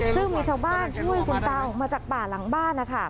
ซึ่งมีชาวบ้านช่วยคุณตาออกมาจากป่าหลังบ้านนะคะ